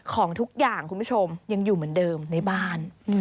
ของทุกอย่างคุณผู้ชมยังอยู่เหมือนเดิมในบ้าน